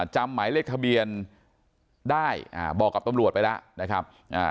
จำหมายเลขทะเบียนได้บอกกับตำรวจไปแล้วนะครับ